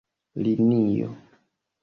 linio